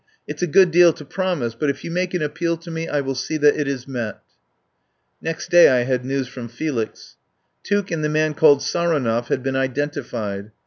It's a good deal to promise, but if you make an appeal to me I will see that it is met." Next day I had news from Felix. Tuke and the man called Saronov had been identi fied.